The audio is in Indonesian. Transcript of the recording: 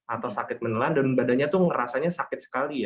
atau sakit menelan dan badannya itu merasanya sakit sekali